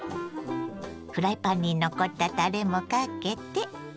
フライパンに残ったタレもかけて。